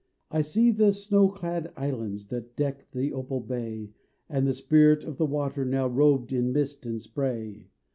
I see the snow clad islands that deck the opal bay, And the Spirit of the Water now robed in mist and spray.